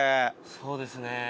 そうですね。